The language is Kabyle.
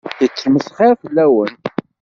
Yettmesxiṛ fell-awen.